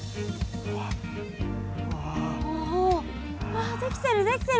わあできてるできてる。